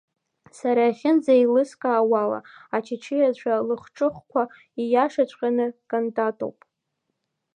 Сара иахьынӡеилыскаауала Ачычиацәа лахҿыхқәа, ииашаҵәҟьаны кантатоуп.